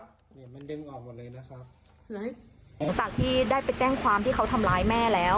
ต่างจากที่ได้ไปแจ้งความที่เขาทำร้ายแม่แล้ว